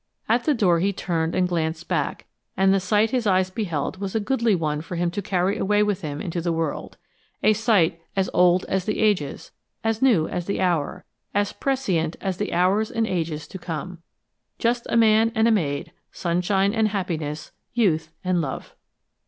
At the door he turned and glanced back, and the sight his eyes beheld was a goodly one for him to carry away with him into the world a sight as old as the ages, as new as the hour, as prescient as the hours and ages to come. Just a man and a maid, sunshine and happiness, youth and love!